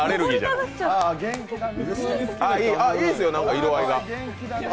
いいですよ、色合いが。